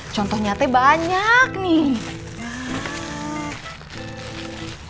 contohnya banyak nih